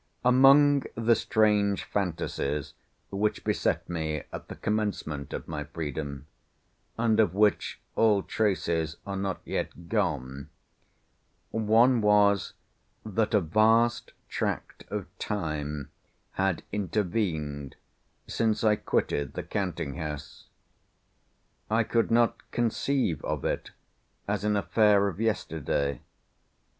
Among the strange fantasies which beset me at the commencement of my freedom, and of which all traces are not yet gone, one was, that a vast tract of time had intervened since I quitted the Counting House. I could not conceive of it as an affair of yesterday.